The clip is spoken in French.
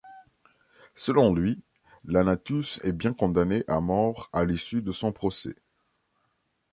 Selon lui, Lanatus est bien condamné à mort à l'issue de son procès.